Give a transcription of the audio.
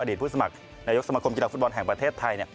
ผู้สมัครนายกสมคมกีฬาฟุตบอลแห่งประเทศไทย